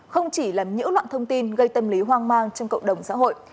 không chỉ là những loạn thông tin gây tâm lý hoang mang trong cộng đồng xã hội